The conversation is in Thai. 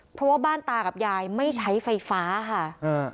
เพราะว่าบ้านตากับยายไม่ใช้ไฟฟ้าค่ะอ่า